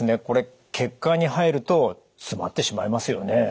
これ血管に入ると詰まってしまいますよね。